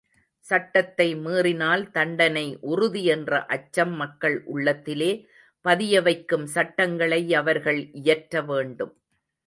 சட்டத்தை மீறினால் தண்டனை உறுதி என்ற அச்சம் மக்கள் உள்ளத்திலே பதியவைக்கும் சட்டங்களை அவர்கள் இயற்ற வேண்டும்.